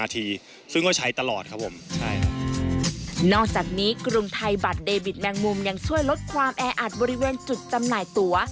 ยังช่วยลดความแออัดบริเวณจุดจำหน่ายตัว